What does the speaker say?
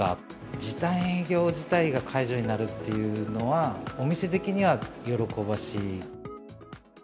時短営業自体が解除になるっていうのは、お店的には喜ばしい。